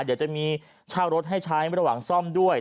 เดี๋ยวจะมีเช่ารถให้ใช้ระหว่างซ่อมด้วย